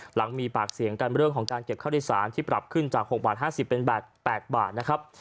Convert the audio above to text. หลังมีปากเสียงกันเรื่องของการเก็บข้าวโดยสารที่ปรับขึ้นจาก๖บาท๕๐เป็น๘บาทนะครับ